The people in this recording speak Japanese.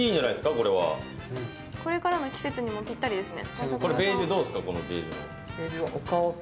これからの季節にもぴったりですね。